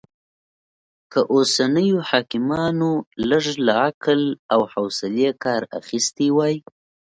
که اوسنيو حاکمانو لږ له عقل او حوصلې کار اخيستی وای